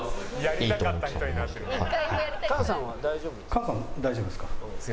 「菅さんは大丈夫ですか？」。